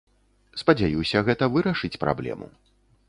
Спадзяюся, гэта вырашыць праблему.